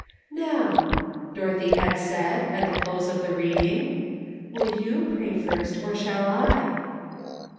"Now," Dorothy had said, at the close of the reading, '' will you pray first, or shall I